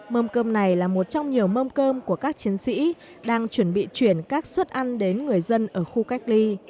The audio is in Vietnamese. mâm cơm này là một trong nhiều mâm cơm của các chiến sĩ đang chuẩn bị chuyển các suất ăn đến người dân ở khu cách ly